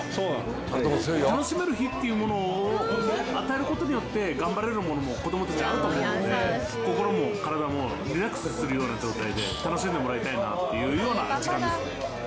楽しめる日っていうものを与える事によって頑張れるものも子どもたちあると思うので心も体もリラックスするような状態で楽しんでもらいたいなっていうような時間ですね。